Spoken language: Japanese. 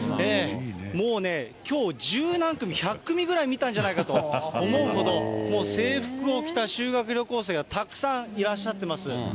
もうね、きょう十何組、１００組ぐらい見たんじゃないかと思うほど、制服を着た修学旅行生がたくさんいらっしゃってます。